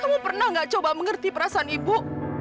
kamu pernah nggak coba mengerti perasaan ibu